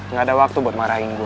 nggak ada waktu buat marahin gue